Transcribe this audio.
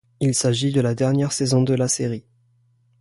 Il s'agit de la dernière saison de la série.